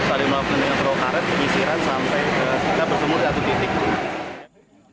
ada yang melakukan dengan perahu karet pengisiran sampai ke sikap semur di atas titik itu